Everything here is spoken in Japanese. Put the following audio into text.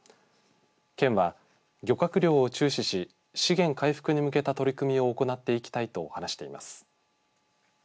県は、漁獲量を注視し資源回復に向けた取り組みを行っていきたいと話しています。